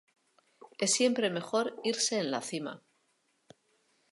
Es siempre mejor irse en la cima.